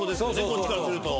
こっちからすると。